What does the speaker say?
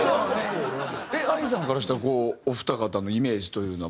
えっＡＩさんからしたらお二方のイメージというのは？